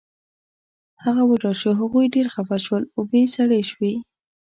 هغه وډار شو، هغوی ډېر خفه شول، اوبې سړې شوې